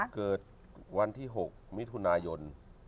เกิดวันที่๖มิถุนายน